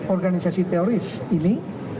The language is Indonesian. organisasi teoris ini